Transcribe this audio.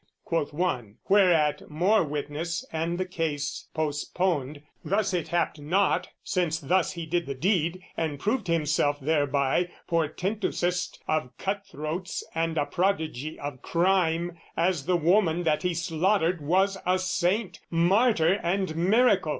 quoth one: Whereat, more witness and the case postponed, "Thus it happed not, since thus he did the deed, "And proved himself thereby portentousest "Of cutthroats and a prodigy of crime, "As the woman that he slaughtered was a saint, "Martyr and miracle!"